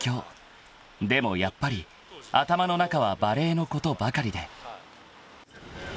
［でもやっぱり頭の中はバレーのことばかりで］